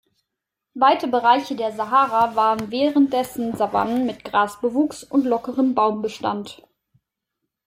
Weite Bereiche der Sahara waren währenddessen Savannen mit Grasbewuchs und lockerem Baumbestand.